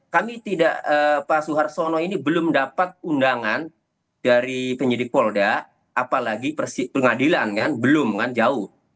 kami tidak pak suharsono ini belum dapat undangan dari penyidik polda apalagi pengadilan kan belum kan jauh